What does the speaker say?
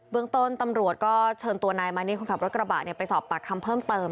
เมืองต้นตำรวจก็เชิญตัวนายมานี่คนขับรถกระบะไปสอบปากคำเพิ่มเติม